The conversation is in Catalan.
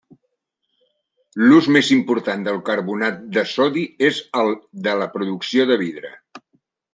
L'ús més important del carbonat de sodi és el de la producció de vidre.